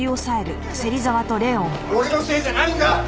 俺のせいじゃないんだ！